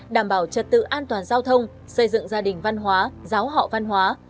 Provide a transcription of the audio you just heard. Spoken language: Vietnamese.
đảm bảo trật tự an toàn giao thông xây dựng gia đình văn hóa giáo họ văn hóa